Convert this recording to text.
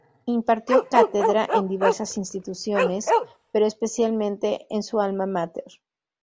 Impartió cátedra en diversas instituciones pero especialmente en su alma máter.